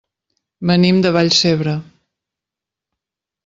Venim de Vallcebre.